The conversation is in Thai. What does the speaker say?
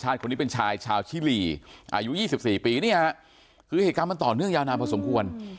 คนนี้เป็นชายชาวชิลีอายุ๒๔ปีเนี่ยคือเหตุการณ์มันต่อเนื่องยาวนานพอสมควร